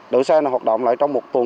đội xe này hoạt động lại trong một tuần